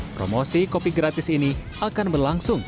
promosi kopi gratis ini akan berlangsung